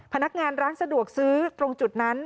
พนักงานร้านสะดวกซื้อตรงจุดนั้น